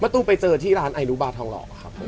ตู้ไปเจอที่ร้านไอรุบาทองหล่อครับผม